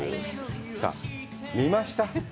さあ、見ました？